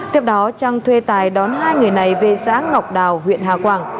tiếp đó trang thuê tài đón hai người này về xã ngọc đào huyện hà quảng